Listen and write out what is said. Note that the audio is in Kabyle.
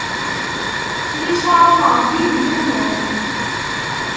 Licaṛa n Ṛebbi di lemnam.